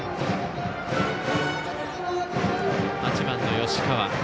８番の吉川。